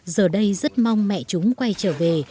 giờ đây rất mong mẹ chúng quay trở về